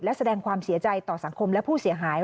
และแสดงความเสียใจต่อสังคมและผู้เสียหาย